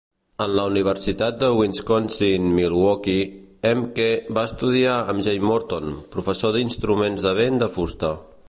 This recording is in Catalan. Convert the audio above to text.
En la Universitat de Wisconsin-Milwaukee, Hemke va estudiar amb Jay Morton, professor de instruments de vent de fusta.